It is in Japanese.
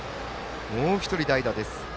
もう１人代打です